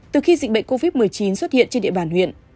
từ khi dịch bệnh covid một mươi chín xuất hiện trên địa bàn huyện